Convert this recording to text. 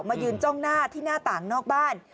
มายืนจ้องหน้าที่หน้าต่างนอกบ้าน